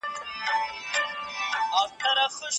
هیوادونه څنګه د کارګرانو ساتنه کوي؟